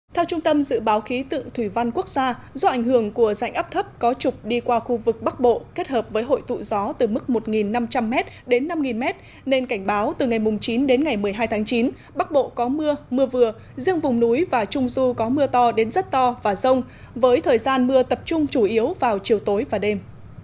theo trung tâm dự báo khí tượng thủy văn quốc gia do ảnh hưởng của dạnh ấp thấp có trục đi qua khu vực bắc bộ kết hợp với hội tụ gió từ mức một năm trăm linh m đến năm m nên cảnh báo từ ngày chín đến ngày một mươi hai tháng chín bắc bộ có mưa mưa vừa riêng vùng núi và trung du có mưa to đến rất to và rông với thời gian mưa tập trung chủ yếu vào chiều tối và đêm